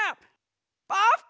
ポッポ！